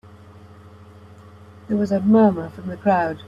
There was a murmur from the crowd.